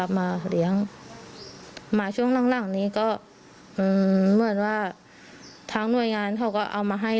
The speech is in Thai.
มาเลี้ยงมาช่วงหลังนี้ก็เหมือนว่าทางหน่วยงานเขาก็เอามาให้